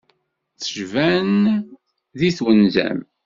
Cban di twenza-m.